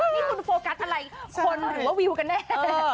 นี่คุณโฟกัสอะไรคนหรือว่าวิวกันแน่